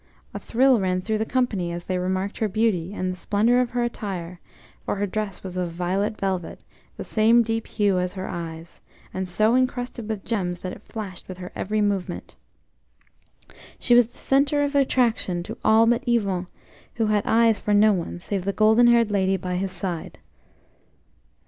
A thrill ran through the company as they remarked her beauty, and the splendour of her attire; for her dress was of violet velvet, the same deep hue as her eyes, and so encrusted with gems that it flashed with her every movement. She was the centre of attraction to all but Yvon, who had eyes for no one save the golden haired lady by his side.